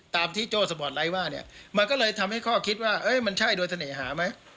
ตามที่โจ้สปอร์ตไลท์ว่าเนี่ยมันก็เลยทำให้ข้อคิดว่ามันใช่โดยเสน่หาไหม